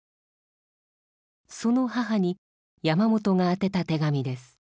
その母に山本が宛てた手紙です。